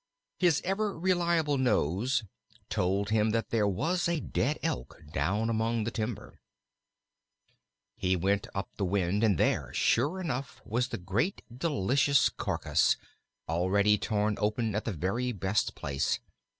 His ever reliable nose told him that there was a dead Elk down among the timber. He went up the wind, and there, sure enough, was the great delicious carcass, already torn open at the very best place.